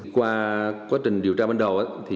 qua quá trình điều tra ban đầu